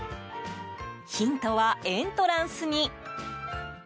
ヒントはエントランスに。